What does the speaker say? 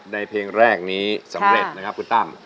เพลงแรกนี้สำเร็จนะครับคุณตั้ม